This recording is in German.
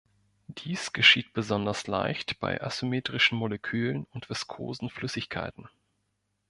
Dies geschieht besonders leicht bei asymmetrischen Molekülen und viskosen Flüssigkeiten.